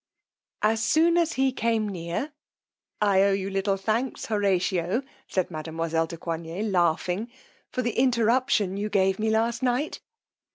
As soon as he came near, I owe you little thanks, Horatio, said mademoiselle de Coigney laughing, for the interruption you gave me last night.